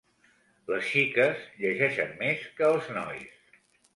Les xiques llegeixen més que els nois.